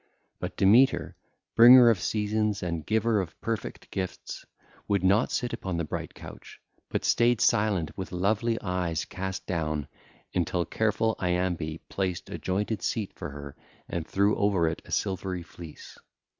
But Demeter, bringer of seasons and giver of perfect gifts, would not sit upon the bright couch, but stayed silent with lovely eyes cast down until careful Iambe placed a jointed seat for her and threw over it a silvery fleece.